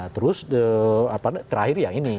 terus terakhir ya ini